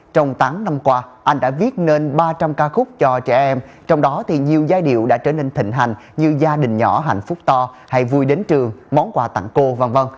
trong tám năm qua anh đã viết nên ba trăm linh ca khúc cho trẻ em trong đó thì nhiều giai điệu đã trở nên thịnh hành như gia đình nhỏ hạnh phúc to hay vui đến trường món quà tặng cô v v